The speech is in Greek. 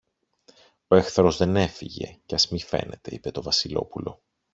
Ο εχθρός δεν έφυγε, κι ας μη φαίνεται, είπε το Βασιλόπουλο.